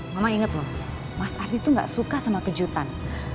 mama inget loh mas ardi itu gak suka sama kejutan